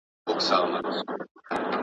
د ا یو ه شیبه و صا ل د یار وڅنګ ته